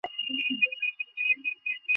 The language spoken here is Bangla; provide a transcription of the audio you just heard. যেহেতু ভিকটিম একজন মহিলা, তাই সাবধানে কদম ফেলবে।